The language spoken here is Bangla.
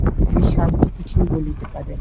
বিষন তো কিছুই বলিতে পারে না।